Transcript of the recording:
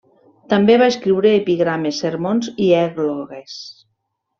També va escriure epigrames, sermons i èglogues.